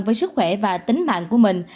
với sức khỏe và tính mạng của mình